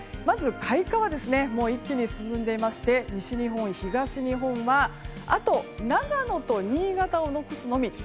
まず開花は一気に進んでいまして西日本、東日本はあと新潟と長野を残すのみ。